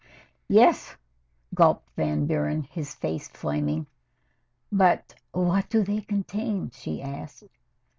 "Yes," gulped Van Buren, his face flaming. "But what do they contain?" she asked.